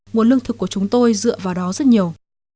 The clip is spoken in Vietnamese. nguồn lương thực của chúng tôi dựa vào đó rất nhiều